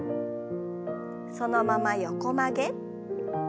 そのまま横曲げ。